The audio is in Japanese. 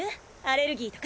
アレルギーとか。